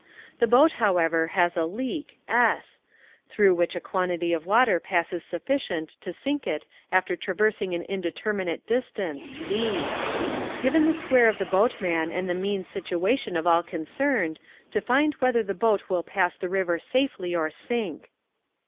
The boat, however, has a leak (S), through which a quantity of water passes sufficient to sink it after traversing an indeterminate distance (D). Given the square of the boatman and the mean situation of all concerned, to find whether the boat will pass the river safely or sink.